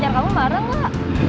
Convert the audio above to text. nanti pacar kamu marah gak